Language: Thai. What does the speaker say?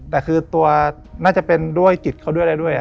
แต่คือตัวน่าจะเป็นด้วยจิตเขาด้วย